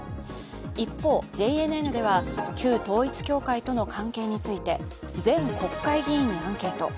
一方、ＪＮＮでは旧統一教会との関係について全国会議員にアンケート。